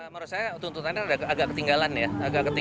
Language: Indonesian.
menurut saya tuntutan ini agak ketinggalan ya